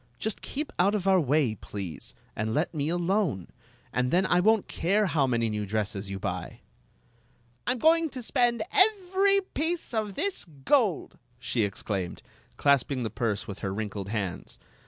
Just keep out of our way, please, and let me alone, and then I won't care how many new dresses you buy." "I 'm goin% to spend every piece of this gold!" she exclaimed, clasping the purse with her wrinkled hands.